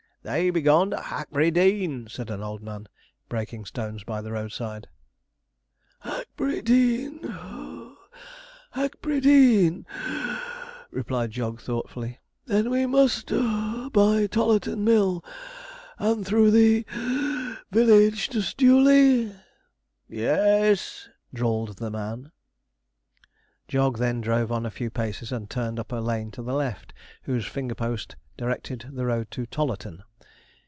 'They be gone to Hackberry Dean,' said an old man, breaking stones by the roadside. 'Hackberry Dean (puff) Hackberry Dean (wheeze)!' replied Jog thoughtfully; 'then we must (puff) by Tollarton Mill, and through the (wheeze) village to Stewley?' 'Y e a z,' drawled the man. Jog then drove on a few paces, and turned up a lane to the left, whose finger post directed the road 'to Tollarton.'